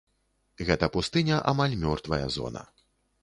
Гэта пустыня, амаль мёртвая зона.